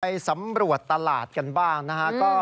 สำรวจตลาดกันบ้างนะฮะ